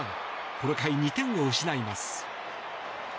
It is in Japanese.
この回２点を失います。